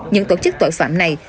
những tổ chức tội phạm này